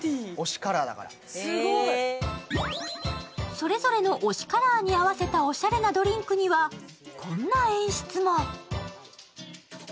それぞれの推しカラーに合わせたおしゃれなドリンクにはこんな演出も。